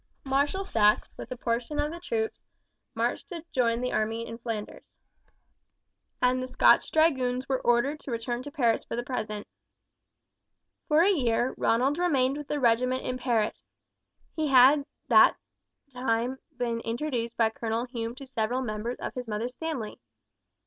Marshal Saxe with a portion of the troops marched to join the army in Flanders, and the Scotch Dragoons were ordered to return to Paris for the present. For a year Ronald remained with the regiment in Paris. He had during that time been introduced by Colonel Hume to several members of his mother's family.